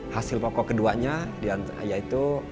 hasil pokok keduanya yaitu